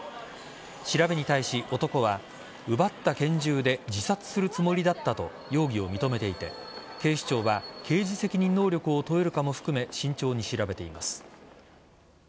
調べに対し、男は奪った拳銃で自殺するつもりだったと容疑を認めていて警視庁は刑事責任能力を問えるかも含め慎重に調べています。